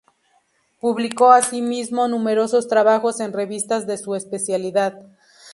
Publicó asimismo numerosos trabajos en revistas de su especialidad.